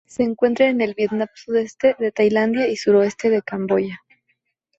Se encuentra en el Vietnam, sudeste de Tailandia y suroeste de Camboya.